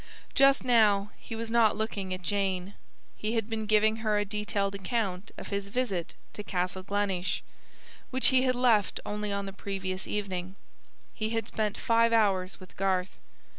Just now he was not looking at Jane. He had been giving her a detailed account of his visit to Castle Gleneesh, which he had left only on the previous evening. He had spent five hours with Garth.